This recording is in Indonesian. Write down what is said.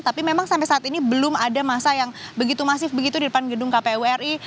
tapi memang sampai saat ini belum ada masa yang begitu masif begitu di depan gedung kpu ri